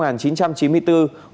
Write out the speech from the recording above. và đối tượng lê đức cường